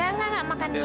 enggak enggak makan dulu